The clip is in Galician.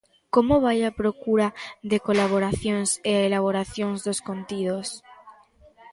Como vai a procura de colaboracións e a elaboración dos contidos?